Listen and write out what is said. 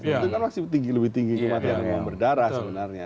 itu kan masih tinggi lebih tinggi kematian demam berdarah sebenarnya